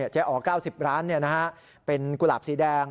อ๋อ๙๐ร้านเป็นกุหลาบสีแดง